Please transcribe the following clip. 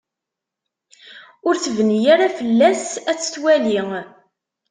Ur tebni ara fell-as ad tt-twali.